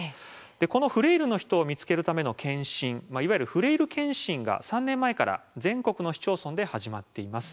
このフレイルの人を見つけるための健診いわゆるフレイル健診が３年前から全国の市町村で始まっています。